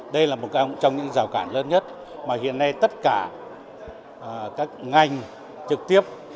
đây là một trong những rào cản lớn nhất mà hiện nay tất cả các ngành trực tiếp